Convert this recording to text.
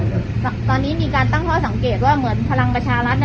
เหมือนพลังประชารัฐ